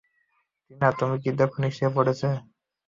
টিনা, তুমি কি দেখোনি সে কি পড়ছে?